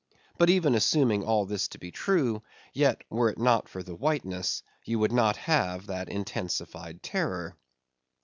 But even assuming all this to be true; yet, were it not for the whiteness, you would not have that intensified terror.